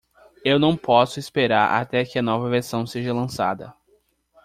Eu não posso esperar até que a nova versão seja lançada.